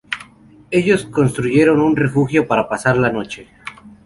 Ellos construyen refugio para pasar la noche.